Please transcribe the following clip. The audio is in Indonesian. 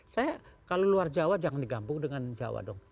saya kalau luar jawa jangan digampung dengan jawa dong